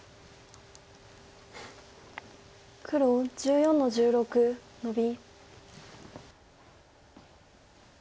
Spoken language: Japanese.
黒１４の十六ノビ。